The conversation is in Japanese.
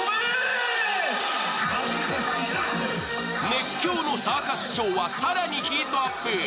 熱狂のサーカスショーは更にヒートアップ！